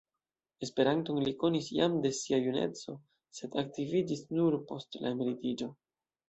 Esperanton li konis jam de sia juneco, sed aktiviĝis nur post la emeritiĝo.